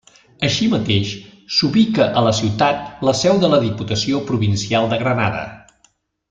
Així mateix, s'ubica a la ciutat la seu de la Diputació Provincial de Granada.